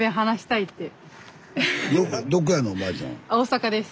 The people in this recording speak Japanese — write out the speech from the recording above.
大阪です。